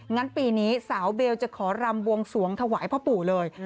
งั้นปีนี้สาวเบลจะขอรำบวงสวงถวายพ่อปู่เลย